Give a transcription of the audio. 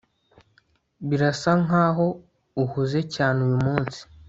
birasa nkaho uhuze cyane uyumunsi